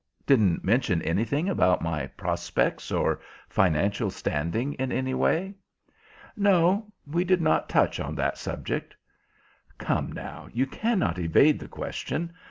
Didn't mention anything about my prospects or financial standing in any way?" "No; we did not touch on that subject." "Come, now, you cannot evade the question.